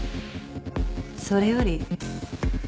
それより。